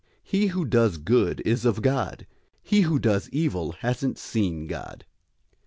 He who does good is of God. He who does evil hasn't seen God.